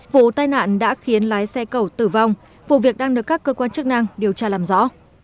vụ tai nạn đã khiến lái xe cầu tử vong vụ việc đang được các cơ quan chức năng điều tra làm rõ